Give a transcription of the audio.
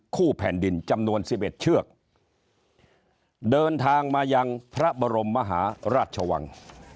แผ่นดินจำนวน๑๑เชือกเดินทางมายังพระบรมมหาราชวัง